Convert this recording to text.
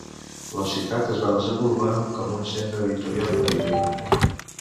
La ciutat es va desenvolupar com un centre editorial i marítim.